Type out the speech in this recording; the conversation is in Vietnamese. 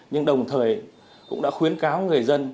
nhưng đồng thời cũng đã khuyến cáo người dân